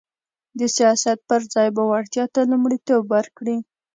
د سیاست پر ځای به وړتیا ته لومړیتوب ورکړي